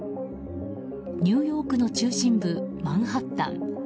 ニューヨークの中心部マンハッタン。